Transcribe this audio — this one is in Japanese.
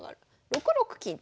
６六金と。